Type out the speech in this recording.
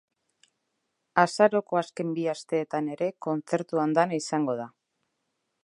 Azaroko azken bi asteetan ere kontzertu andana izango da.